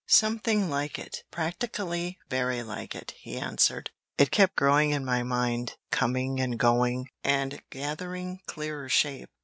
"Something like it, practically very like it," he answered. "It kept growing in my mind, coming and going, and gathering clearer shape.